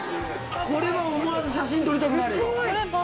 これは思わず写真撮りたくなるよ。